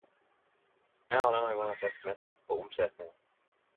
Eg har denne gongen sett mest på omsetjingane.